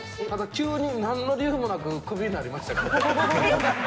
ただ急になんの理由もなく、クビになりました。